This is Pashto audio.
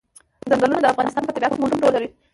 چنګلونه د افغانستان په طبیعت کې مهم رول لري.